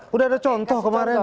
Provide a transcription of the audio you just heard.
sudah ada contoh kemarin